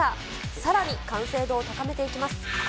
さらに完成度を高めていきます。